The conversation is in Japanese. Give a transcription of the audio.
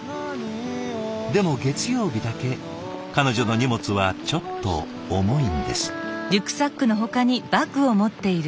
でも月曜日だけ彼女の荷物はちょっと重いんです。